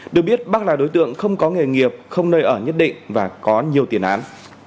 được biết bắc là đối tượng không có nghề nghiệp không nơi ở nhất định và có nhiều tiền án